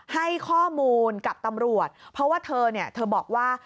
ให้ข้อมูลกับตำรวจเพราะว่าเธอบอกว่า